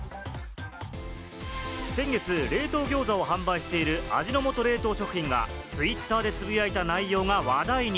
先月、冷凍餃子を販売している味の素冷凍食品がＴｗｉｔｔｅｒでつぶやいた内容が話題に。